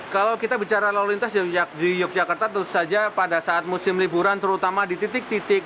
kalau kita bicara lalu lintas di yogyakarta terus saja pada saat musim liburan terutama di titik titik